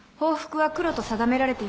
はい。